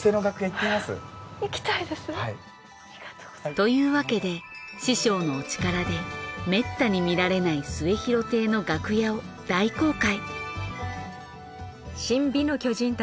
というわけで師匠のお力でめったに見られない『末廣亭』の楽屋を大公開。